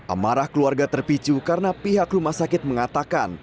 amarah keluarga terpicu karena pihak rumah sakit mengatakan